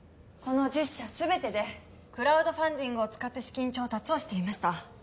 この１０社すべてでクラウドファンディングを使って資金調達をしていました。